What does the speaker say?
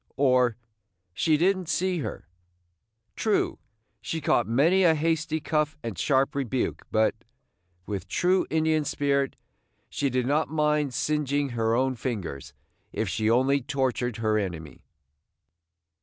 or, "She did n't see her." True, she caught many a hasty cuff and sharp rebuke; but, with true Indian spirit, she did not mind singeing her own fingers if she only tortured her enemy.